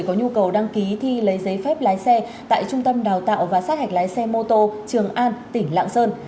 có nhu cầu đăng ký thi lấy giấy phép lái xe tại trung tâm đào tạo và sát hạch lái xe mô tô trường an tỉnh lạng sơn